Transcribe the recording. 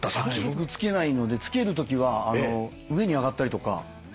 僕付けないので付けるときは上に上がったりとか。